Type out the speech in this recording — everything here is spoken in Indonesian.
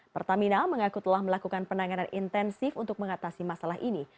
pertamina mengaku telah melakukan penanganan intensif untuk mengatasi masalah ini